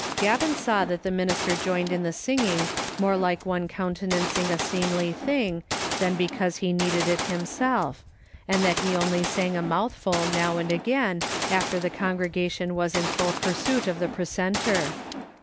Gavin saw that the minister joined in the singing more like one counte nancing a seemly thing than because he needed it him self, and that he only sang a mouthful now and again after the congregation was in full pursuit of the pre centor.